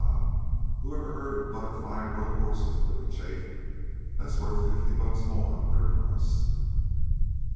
"Huh! who ever heard of butterfly broke horses?" Billy chaffed. "That's worth fifty bucks more on their price."